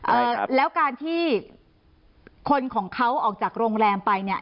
เอ่อแล้วการที่คนของเขาออกจากโรงแรมไปเนี่ย